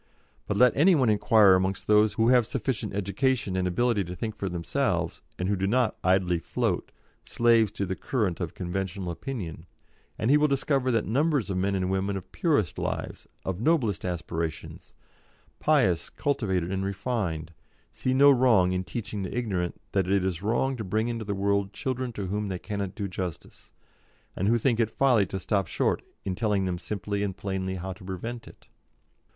But let any one inquire amongst those who have sufficient education and ability to think for themselves, and who do not idly float, slaves to the current of conventional opinion, and he will discover that numbers of men and women of purest lives, of noblest aspirations, pious, cultivated, and refined, see no wrong in teaching the ignorant that it is wrong to bring into the world children to whom they cannot do justice, and who think it folly to stop short in telling them simply and plainly how to prevent it.